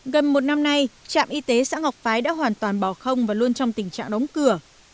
gần một năm nay trạm y tế xã ngọc phái đã hoàn toàn bỏ không và luôn trong tình trạng đóng cửa